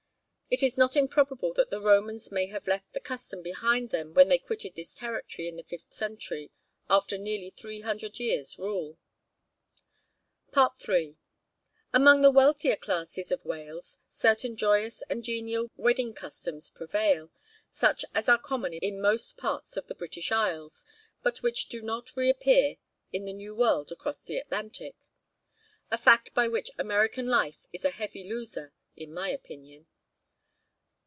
It is not improbable that the Romans may have left the custom behind them when they quitted this territory in the fifth century, after nearly three hundred years' rule. FOOTNOTE: Malkin's 'South Wales,' 67. III. Among the wealthier classes of Wales, certain joyous and genial wedding customs prevail, such as are common in most parts of the British isles, but which do not reappear in the new world across the Atlantic, a fact by which American life is a heavy loser, in my opinion.